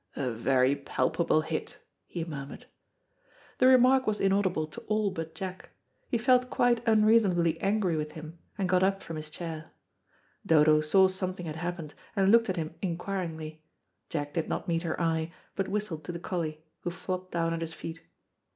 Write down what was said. "A very palpable hit," he murmured. The remark was inaudible to all but Jack. He felt quite unreasonably angry with him, and got up from his chair. Dodo saw something had happened, and looked at him inquiringly. Jack did not meet her eye, but whistled to the collie, who flopped down at his feet.